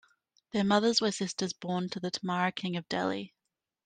Their mothers were sisters born to the Tomara king of Delhi.